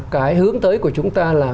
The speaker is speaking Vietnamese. cái hướng tới của chúng ta là